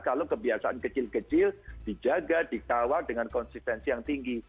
kalau kebiasaan kecil kecil dijaga dikawal dengan konsistensi yang tinggi